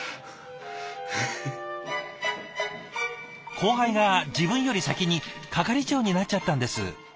後輩が自分より先に係長になっちゃったんです。